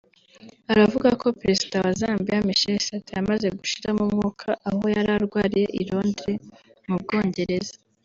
aravuga ko Perezida wa Zambiya Michael Sata yamaze gushiramo umwuka aho yari arwariye I Londres mu Bwongereza